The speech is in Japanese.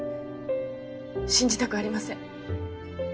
信じたくありません。